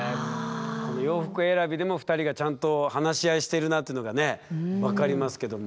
この洋服選びでも２人がちゃんと話し合いしてるなっていうのがね分かりますけども。